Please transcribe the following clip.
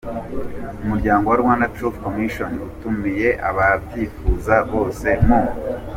Umuryango Rwanda Truth Commission utumiye ababyifuza bose mu